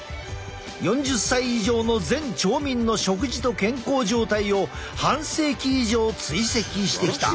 ４０歳以上の全町民の食事と健康状態を半世紀以上追跡してきた。